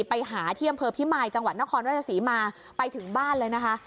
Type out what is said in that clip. ไปหาที่อพิมายจังหวัดนครว่าจะสีมาไปถึงบ้านเลยนะฮะ